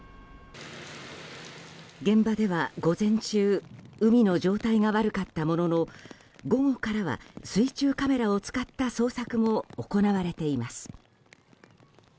現場では午前中海の状態が悪かったものの午後からは水中カメラを使った捜索も行われています。